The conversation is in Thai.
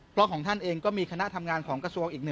เพราะของท่านเองก็มีคณะทำงานของกระทรวง